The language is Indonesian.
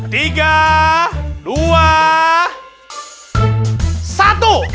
tiga dua satu